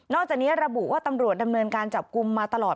จากนี้ระบุว่าตำรวจดำเนินการจับกลุ่มมาตลอด